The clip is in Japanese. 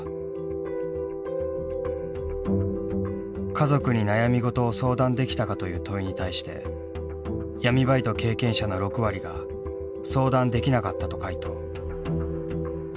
「家族に悩みごとを相談できたか」という問いに対して闇バイト経験者の６割が「相談できなかった」と回答。